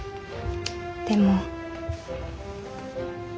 でも。